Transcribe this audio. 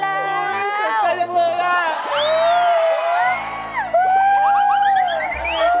เสียใจอะไรบ่นไงโอ๊ยตายแรง